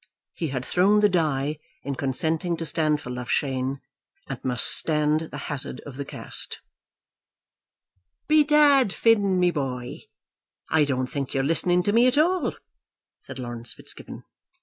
He had thrown the die in consenting to stand for Loughshane, and must stand the hazard of the cast. "Bedad, Phin, my boy, I don't think you're listening to me at all," said Laurence Fitzgibbon.